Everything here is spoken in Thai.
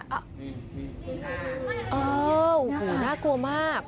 โอ้โหน่ากลัวมาก